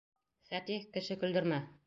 Фәтих, кеше көлдөрмә!